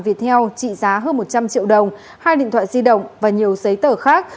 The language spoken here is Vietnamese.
viettel trị giá hơn một trăm linh triệu đồng hai điện thoại di động và nhiều giấy tờ khác